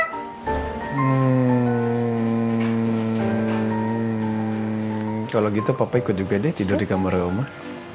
hmmmmmm kalo gitu papa ikut juga deh tidur di kamar omah